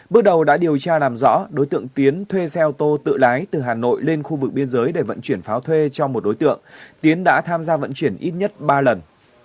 bước đầu đã điều tra làm rõ đối tượng tiến thuê xe ô tô tự lái từ hà nội lên khu vực biên giới để vận chuyển pháo thuê cho một đối tượng tiến đã tham gia vận chuyển ít nhất ba lần